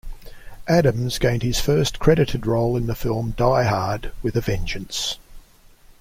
Adams gained his first credited role in the film "Die Hard with a Vengeance".